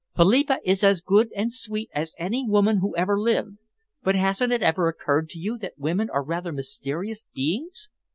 Philippa is as good and sweet as any woman who ever lived, but hasn't it ever occurred to you that women are rather mysterious beings?